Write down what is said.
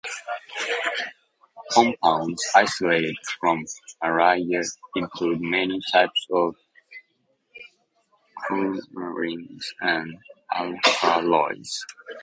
Compounds isolated from "Murraya" include many types of coumarins and alkaloids.